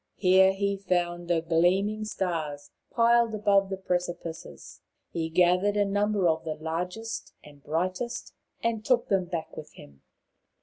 Here he found the gleaming stars piled above the precipices. He gathered a number of the largest and brightest, and took them back with him.